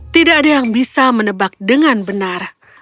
tidak ada yang bisa menebak dengan benar